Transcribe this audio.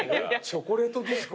『チョコレイト・ディスコ』？